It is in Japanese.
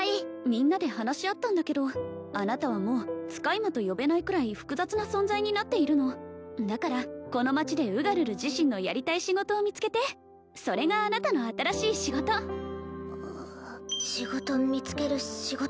みんなで話し合ったんだけどあなたはもう使い魔と呼べないくらい複雑な存在になっているのだからこの町でウガルル自身のやりたい仕事を見つけてそれがあなたの新しい仕事仕事見つける仕事？